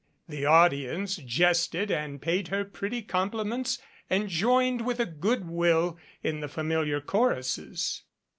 The audience jested and paid her pretty compliments, and joined with a good will in the fa miliar choruses.